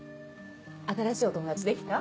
新しいお友達できた？